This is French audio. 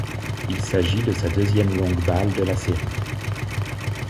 Il s'agit de sa deuxième longue balle de la série.